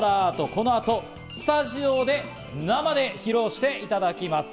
この後、スタジオで生で披露していただきます。